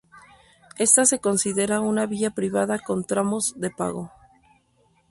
Ésta se considera una vía privada con tramos de pago.